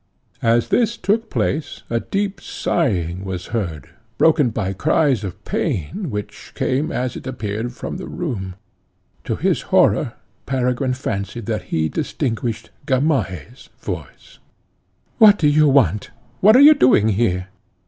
As this took place a deep sighing was heard, broken by cries of pain, which came, as it appeared, from the room. To his horror, Peregrine fancied that he distinguished Gamaheh's voice. "What do you want? what are you doing here?"